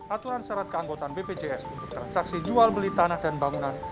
aturan syarat keanggotaan bpjs untuk transaksi jual beli tanah dan bangunan